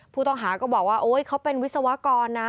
ผู้ต้องหาก็บอกว่าโอ๊ยเขาเป็นวิศวกรนะ